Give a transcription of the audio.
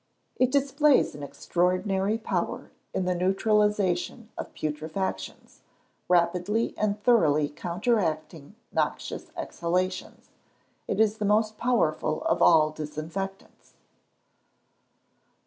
_ It displays an extraordinary power in the neutralisation of putrefactions, rapidly and thoroughly counteracting noxious exhalations; it is the most powerful of all disinfectants.